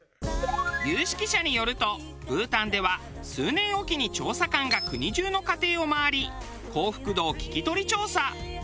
有識者によるとブータンでは数年おきに調査官が国中の家庭を回り幸福度を聞き取り調査。